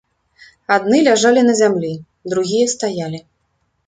Адны ляжалі на зямлі, другія стаялі.